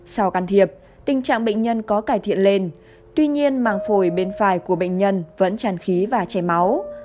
sau can thiệp tình trạng bệnh nhân có cải thiện lên tuy nhiên màng phổi bên phải của bệnh nhân vẫn tràn khí và chảy máu